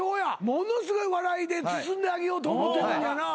ものすごい笑いで包んであげようと思ってんのにやな